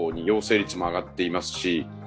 陽性率も上がっていますし。